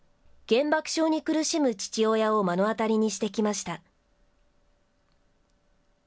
原爆症に苦しむ父親を目の当たりにしてきました。